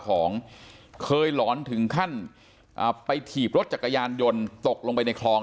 ของเคยหลอนถึงขั้นไปถีบรถจักรยานยนต์ตกลงไปในคลอง